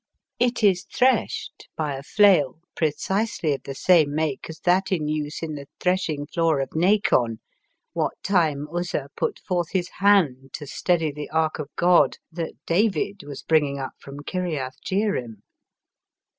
It is threshed by a flail pre cisely of the same make as that in use in the threshing floor of Nachon, what time Uzzah put forth his hand to steady the oxk of God that David was bringing up from Kirjath Jearim.